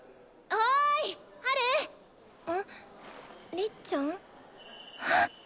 りっちゃん？